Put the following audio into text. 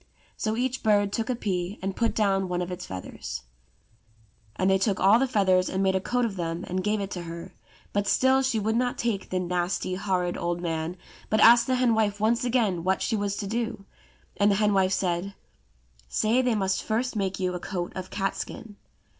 So each bird took a pea and put down one of its feathers : and they took all the feathers and made a coat of them and gave it to her ; but still she would not take the nasty, horrid, old man, but asked the hen wife once again what she was to do, and the hen wife said, "Say they must first make you a coat of catskin."